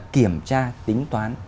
kiểm tra tính toán